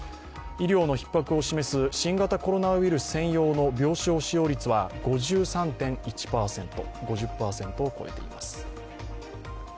医療のひっ迫を示す新型コロナウイルス専用の病床使用率は５３．１％、５０％を超えています。